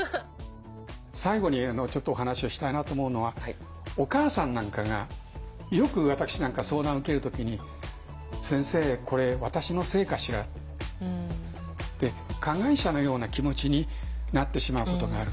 最後にちょっとお話をしたいなと思うのはお母さんなんかがよく私なんか相談受ける時に「先生これ私のせいかしら」って加害者のような気持ちになってしまうことがある。